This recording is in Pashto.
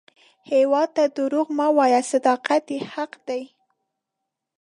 هیواد ته دروغ مه وایه، صداقت یې حق دی